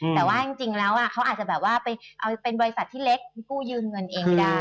แต่ว่าจริงแล้วเขาอาจจะแบบว่าไปเอาเป็นบริษัทที่เล็กกู้ยืมเงินเองไม่ได้